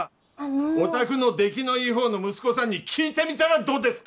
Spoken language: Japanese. お宅の出来のいいほうの息子に聞いてみたらどうですか！